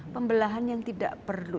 pembelahan yang tidak perlu